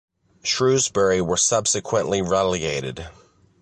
Shrewsbury were subsequently relegated.